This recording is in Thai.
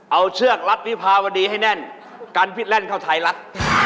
เอาเชือกรัดวิภาวดีให้แน่นกันพิษแล่นเข้าไทยรัฐ